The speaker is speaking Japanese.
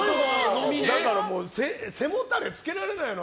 背もたれつけられないの。